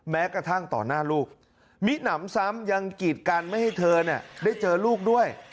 แม้กระทั่งต่อหน้าลูกมิหนำซ้ำยังกีดกันไม่ให้เธอได้เจอลูกด้วย